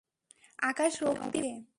আকাশ রক্তিম হয়ে ওঠে।